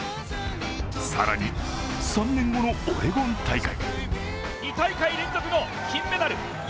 更に、３年後のオレゴン大会。